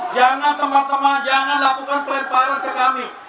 jangan teman teman jangan lakukan pelemparan ke kami